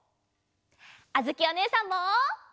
あづきおねえさんも！